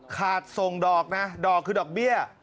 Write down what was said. ส่งดอกนะดอกคือดอกเบี้ย